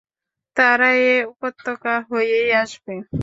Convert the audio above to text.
তারা এ উপত্যকা হয়েই আসবে।